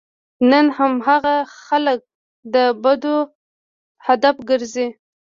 نن هماغه خلک د بدو هدف ګرځي.